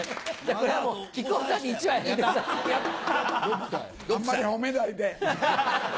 あんまり褒めないで。